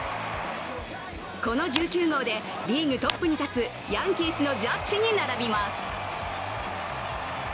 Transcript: この１９号で、リーグトップに立つヤンキースのジャッジに並びます。